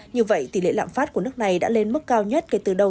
như vậy tỷ lệ lạm phát của nước này đã lên mức cao nhất kể từ đầu